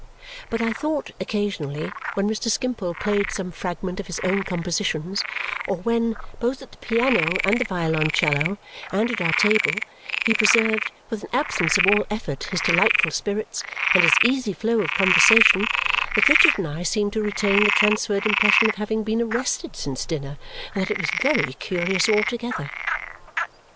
But I thought, occasionally, when Mr. Skimpole played some fragments of his own compositions or when, both at the piano and the violoncello, and at our table, he preserved with an absence of all effort his delightful spirits and his easy flow of conversation, that Richard and I seemed to retain the transferred impression of having been arrested since dinner and that it was very curious altogether.